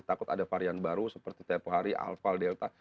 takut ada varian baru seperti tepuh hari alfa delta